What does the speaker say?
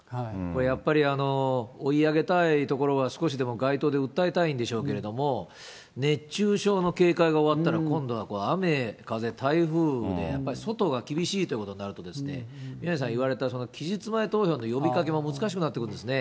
やっぱり追い上げたいところは、少しでも街頭で訴えたいんでしょうけども、熱中症の警戒が終わったら、今度は雨風台風で、やっぱり外が厳しいということになると、宮根さん言われた、期日前投票の呼びかけも難しくなってくるんですね。